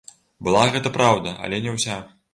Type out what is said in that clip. Была гэта праўда, але не ўся.